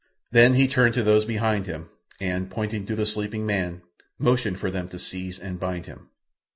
Then he turned to those behind him and, pointing to the sleeping man, motioned for them to seize and bind him.